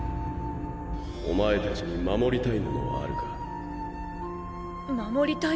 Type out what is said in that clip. おまえ達に護りたいものはあるか？